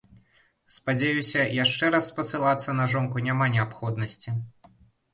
Спадзяюся, яшчэ раз спасылацца на жонку няма неабходнасці.